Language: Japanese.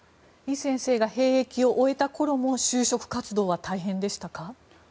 イ先生が兵役を終えた頃も就職活動は大変でしたか？